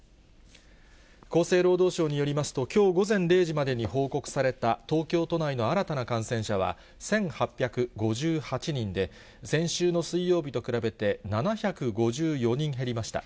厚生労働省によりますと、きょう午前０時までに報告された東京都内の新たな感染者は１８５８人で、先週の水曜日と比べて７５４人減りました。